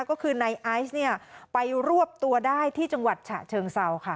ก็คือในไอซ์เนี่ยไปรวบตัวได้ที่จังหวัดฉะเชิงเซาค่ะ